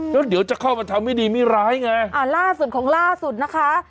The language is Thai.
แล้วเดี๋ยวจะเข้ามาทำไม่ดีไม่ร้ายไงอ่าล่าสุดของล่าสุดนะคะ